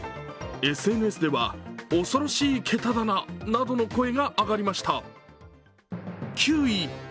ＳＮＳでは恐ろしい桁だななどの声が上がりました。